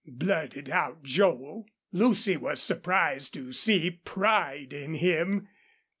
blurted out Joel. Lucy was surprised to see pride in him.